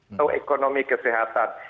atau ekonomi kesehatan